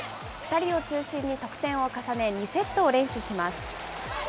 ２人を中心に得点を重ね２セットを連取します。